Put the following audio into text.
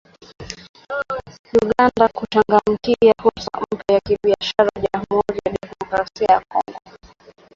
Uganda kuchangamkia fursa mpya za kibiashara Jamuhuri ya Demokrasia ya Kongo